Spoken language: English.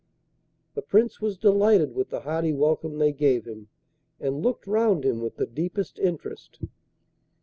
The Prince was delighted with the hearty welcome they gave him, and looked round him with the deepest interest.